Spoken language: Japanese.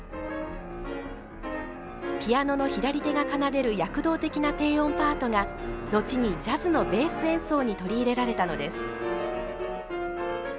ピアノの左手が奏でる躍動的な低音パートが後にジャズのベース演奏に取り入れられたのです。